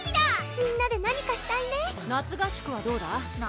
みんなで何かしたいね夏合宿はどうだ？何？